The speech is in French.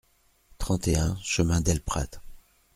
trente et un chemin del Prat